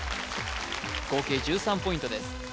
合計１３ポイントです